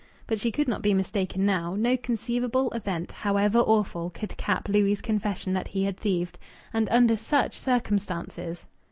But she could not be mistaken now. No conceivable event, however awful, could cap Louis' confession that he had thieved and under such circumstances!